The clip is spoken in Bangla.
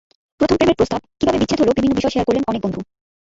প্রথম প্রেমের প্রস্তাব, কীভাবে বিচ্ছেদ হলো বিভিন্ন বিষয় শেয়ার করলেন অনেক বন্ধু।